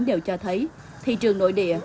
đều cho thấy thị trường nội địa